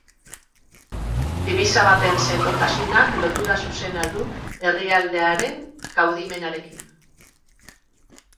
Dibisa baten sendotasunak lotura zuzena du herrialdearen kaudimenarekin.